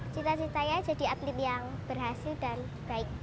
cita citanya jadi atlet yang berhasil dan baik